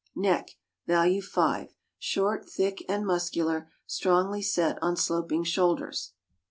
Neck (value 5) short, thick, and muscular, strongly set on sloping shoulders.